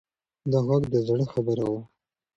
دا غږ د زړه خبره وه.